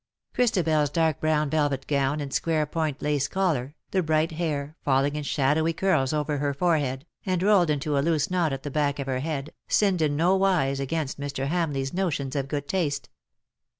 Christabel's dark brown velvet gown and square point lace collar, the bright hair falling in shadowy curls over her forehead, and rolled into a loose knot at the back of her head, sinned in no wise against Mr. Hamleigh^s notions of good taste.